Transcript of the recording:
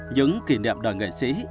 những kỷ niệm đời nghệ sĩ